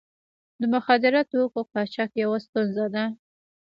د مخدره توکو قاچاق یوه ستونزه ده.